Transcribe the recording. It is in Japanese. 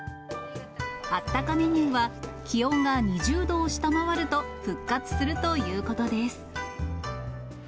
あったかメニューは、気温が２０度を下回ると復活するということです。